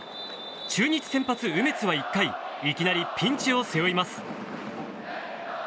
中日先発、梅津は１回いきなりピンチを背負います。